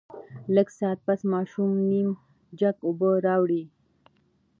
لږ ساعت پس ماشوم نيم جګ اوبۀ راوړې